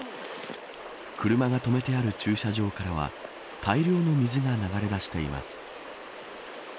車が止めてある駐車場からは大量の水が流れ出しています。